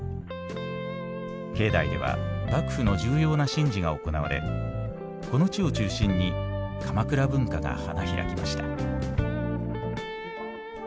境内では幕府の重要な神事が行われこの地を中心に鎌倉文化が花開きました。